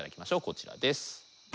こちらです。